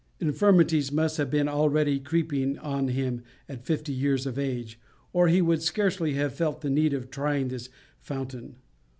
Infirmities must have been already creeping on him at fifty years of age, or he would scarcely have felt the need of trying this fountain.